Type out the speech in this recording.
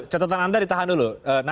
catatan anda ditahan dulu